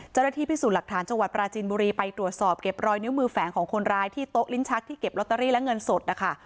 เจ้าหน้าที่พิสูจน์หลักฐานจังหวัดปราจีนบุรีไปตรวจสอบเก็บรอยนิ้วมือแฝงของคนร้ายที่โต๊ะลิ้นชักที่เก็บลอตเตอรี่และเงินสดนะคะ